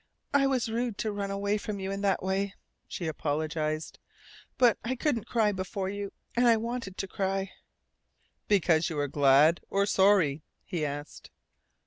"I was rude to run away from you in that way," she apologized. "But I couldn't cry before you. And I wanted to cry." "Because you were glad, or sorry?" he asked.